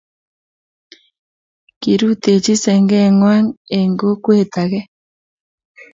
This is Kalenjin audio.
Kirutechi senge ng'wang eng kokwee age.